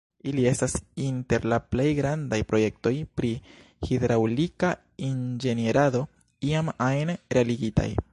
Ili estas inter la plej grandaj projektoj pri hidraŭlika inĝenierado iam ajn realigitaj.